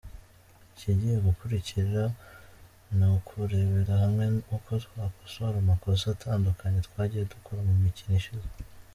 Ikigiye gukurikira ni ukurebera hamwe uko twakosora amakosa atandukanye twagiye dukora mu mikino ishize.